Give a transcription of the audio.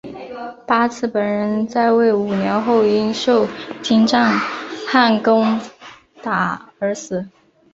八剌本人在位五年后因受金帐汗攻打而死。